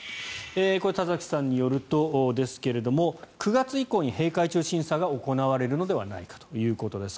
これ、田崎さんによるとですが９月以降に閉会中審査が行われるのではないかということです。